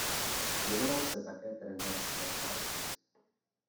Věnoval se také trenérské práci.